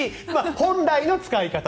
本来の使い方。